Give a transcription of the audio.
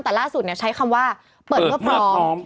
แต่ล่าสุดใช้คำว่าเปิดเพื่อพร้อม